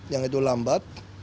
yang itu lambat